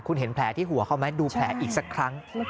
คุณเห็นแผลที่หัวเขาไหมดูแผลอีกสักครั้ง